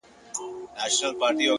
د چای نیمه څښل شوې پیاله پاتې فکر ښيي،